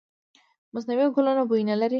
مصنوعي ګلونه بوی نه لري.